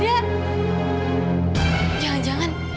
yang sepupu banget